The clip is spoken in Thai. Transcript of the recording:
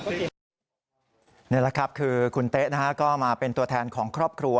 นี่แหละครับคือคุณเต๊ะก็มาเป็นตัวแทนของครอบครัว